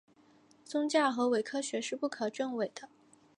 宗教和伪科学是不可证伪的。